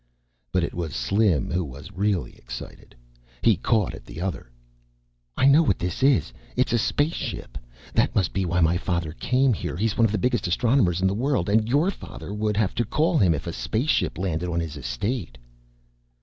But it was Slim who was really excited. He caught at the other. "I know what this is. It's a space ship. That must be why my father came here. He's one of the biggest astronomers in the world and your father would have to call him if a space ship landed on his estate."